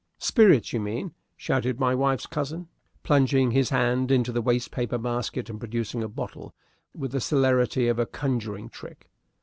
"Spirits you mean!" shouted my wife's cousin, plunging his hand into the waste paper basket and producing a bottle with the celerity of a conjuring trick.